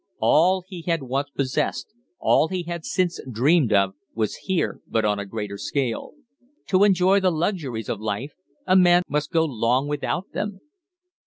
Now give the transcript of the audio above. All he had once possessed, all he had since dreamed of, was here, but on a greater scale. To enjoy the luxuries of life a man must go long without them.